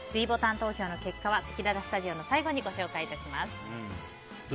ｄボタン投票の結果はせきららスタジオの最後にお伝えします。